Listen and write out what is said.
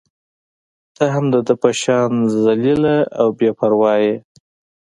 ته هم د ده په شان ذلیله او بې پرواه يې.